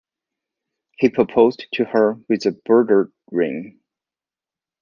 He proposed to her with a burger ring.